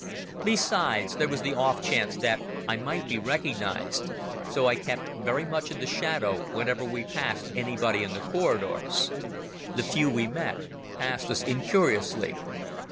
Besides, there was the off chance that I might be recognized. So I kept very much in the shadow whenever we passed anybody in the corridors. The few we met passed us incuriously.